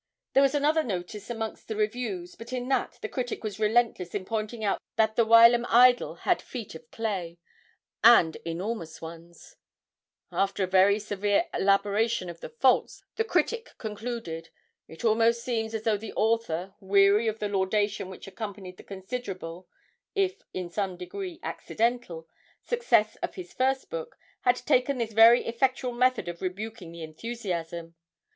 There was another notice amongst the reviews, but in that the critic was relentless in pointing out that the whilom idol had feet of clay and enormous ones; after a very severe elaboration of the faults, the critic concluded: 'It almost seems as though the author, weary of the laudation which accompanied the considerable (if, in some degree, accidental) success of his first book, had taken this very effectual method of rebuking the enthusiasm.